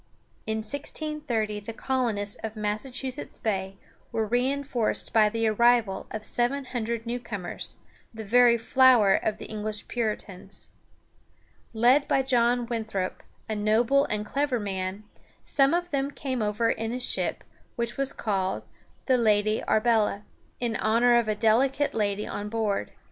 In 1630 the colonists of Massachusetts Bay were reinforced by the arrival of seven hundred newcomers, "the very flower of the English Puritans." Led by John Winthrop, a noble and clever man, some of them came over in a ship which was called the Lady Arbela, in honor of a delicate lady on board.